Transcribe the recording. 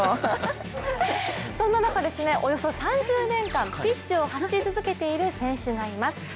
そんな中、およそ３０年間ピッチを走り続けている選手がいます。